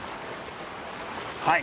はい。